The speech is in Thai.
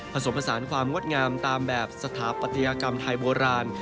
ผสมผสานความงดงามตามแบบสถาปัตยกรรมไทยโบราณ